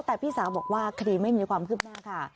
แต่พี่สาวบอกว่าคดีไม่มีความคืบหน้าค่ะ